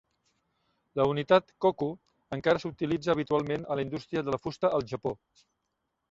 La unitat "koku" encara s'utilitza habitualment a la indústria de la fusta al Japó.